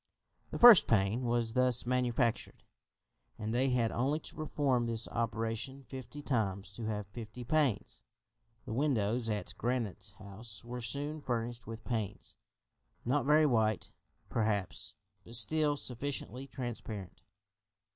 The first pane was thus manufactured, and they had only to perform this operation fifty times to have fifty panes. The windows at Granite House were soon furnished with panes; not very white, perhaps, but still sufficiently transparent.